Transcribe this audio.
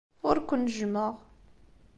Ur ken-jjmeɣ.